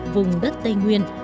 vùng đất tây nguyên